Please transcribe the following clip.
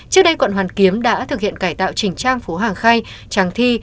trước đây quận hoàn kiếm đã thực hiện cải tạo trình trang phố hàng khai trang thi